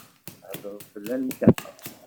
Theddṛeḍ fell-anteɣ?